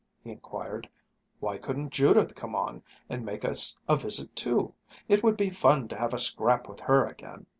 he inquired. "Why couldn't Judith come on and make us a visit too? It would be fun to have a scrap with her again."